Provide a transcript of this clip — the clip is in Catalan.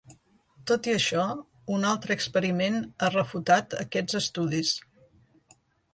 Tot i això, un altre experiment ha refutat aquests estudis.